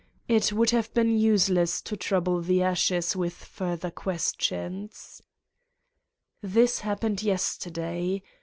It would have been useless to trouble the ashes with fur ther questions. This happened yesterday.